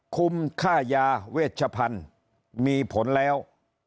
คุมค่ายาเวชพันธุ์มีผลแล้ว